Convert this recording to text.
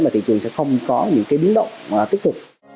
thì sẽ không có những cái biến động tiếp tục